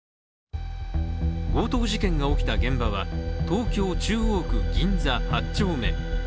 強盗事件が起きた現場は東京・中央区銀座８丁目。